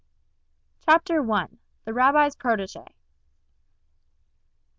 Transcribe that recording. CHAPTER I. THE RABBI'S PROTÉGÉ.